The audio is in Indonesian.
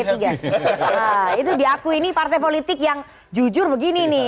nah itu diakui ini partai politik yang jujur begini nih